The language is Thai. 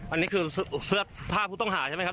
อันนี้คือเสื้อผ้าผู้ต้องหาใช่ไหมครับ